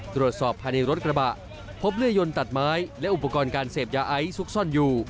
ตรวจสอบภายในรถกระบะพบเลื่อยยนตัดไม้และอุปกรณ์การเสพยาไอซุกซ่อนอยู่